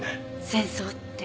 戦争って。